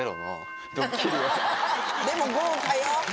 でも豪華よ